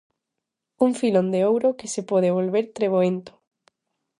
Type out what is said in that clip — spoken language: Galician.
Un filón de ouro que se pode volver treboento.